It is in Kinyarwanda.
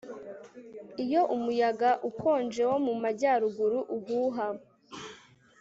Iyo umuyaga ukonje wo mu majyaruguru uhuha